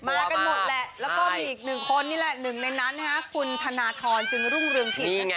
มากันหมดแหละแล้วก็มีอีกหนึ่งคนนี่แหละหนึ่งในนั้นคุณธนทรจึงรุ่งเรืองกิจนะคะ